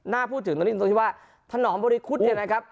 น่าพูดถึงตรงนี้ถึงตรงนี้ว่าท่านหนอมบริคุทธิ์เนี่ยนะครับ